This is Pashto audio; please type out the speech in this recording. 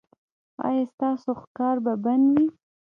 ایا ستاسو ښکار به بند وي؟